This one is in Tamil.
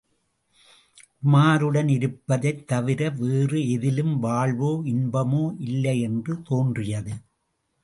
உமாருடன் இருப்பதைத் தவிர வேறு எதிலும் வாழ்வோ, இன்பமோ இல்லையென்று தோன்றியது.